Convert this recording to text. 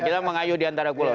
kita mengayuh diantara pulau